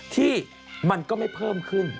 ที่มันก็ไม่เพิ่มขึ้น